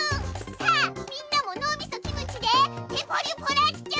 さあみんなものうみそキムチでぺぽりぽらっちゅ